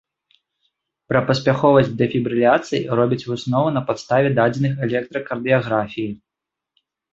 Пра паспяховасць дэфібрыляцыі робяць выснову на падставе дадзеных электракардыяграфіі.